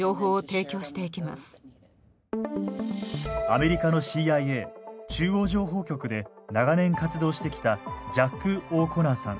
アメリカのＣＩＡ中央情報局で長年活動してきたジャック・オーコナーさん。